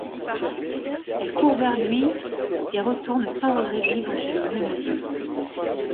Elle court vers lui et retourne sans regrets vivre chez le menuisier.